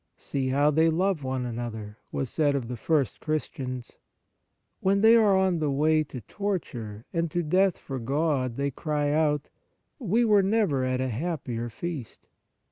" See how they love one another !" was said of the first Christians. When they are on the way to torture and to death for God, they cry out :" We were never at a happier feast."